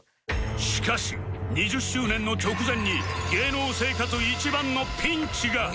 しかし２０周年の直前に芸能生活一番のピンチが